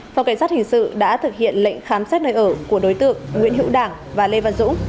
phòng cảnh sát hình sự đã thực hiện lệnh khám xét nơi ở của đối tượng nguyễn hữu đảng và lê văn dũng